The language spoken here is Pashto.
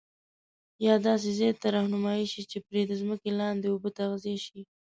یا داسي ځاي ته رهنمایی شي چي پري د ځمکي دلاندي اوبه تغذیه شي